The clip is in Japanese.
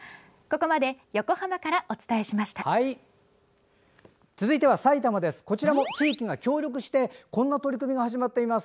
こちらも地域が協力してこんな取り組みが始まっています。